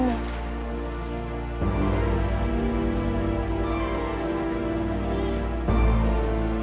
masih saja aku bisa mencari kamu